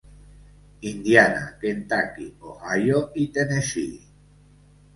Indiana, Kentucky, Ohio i Tennessee.